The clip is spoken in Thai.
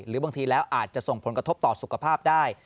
หรือบางทีแล้วอาจจะส่งผลกระทบต่อสุขภาพได้